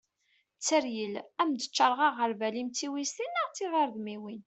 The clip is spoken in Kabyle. tteryel ad am-d-ččareγ aγerbal-im d tiwiztin neγ tiγredmiwin